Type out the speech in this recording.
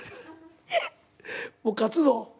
もう勝つぞ。